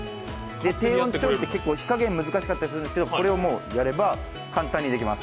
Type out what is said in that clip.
低温の調理って火加減が難しかったりするんですけど、これは簡単にできます。